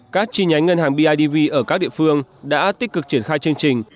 các chi nhánh ngân hàng bidv ở các địa phương đã tích cực triển khai chương trình